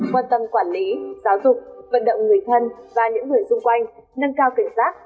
quan tâm quản lý giáo dục vận động người thân và những người xung quanh nâng cao kể rác